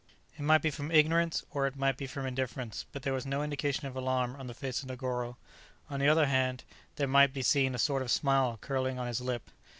It might be from ignorance or it might be from indifference, but there was no indication of alarm on the face of Negoro; on the other hand there might be seen a sort of smile curling on his lip.